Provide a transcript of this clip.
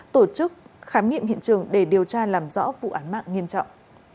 tổ chức khám nghiệm hiện trường để điều tra làm rõ vụ án mạng nghiêm trọng